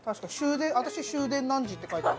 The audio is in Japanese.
私「終電何時」って書いてある。